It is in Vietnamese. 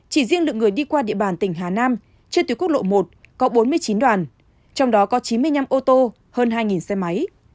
chỉ riêng lượng người đi qua địa bàn tỉnh hà nam trên tuyến quốc lộ một có bốn mươi chín đoàn trong đó có chín mươi năm ô tô hơn hai xe máy